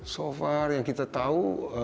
so far yang kita tahu